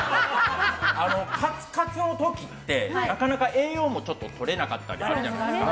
カツカツの時って、なかなか栄養もとれなかったりするじゃないですか。